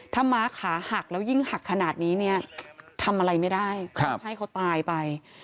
ถ้าม้าขาหักแล้วยิ่งหักขนาดนี้เนี่ยทำอะไรไม่ได้ให้เขาตายไป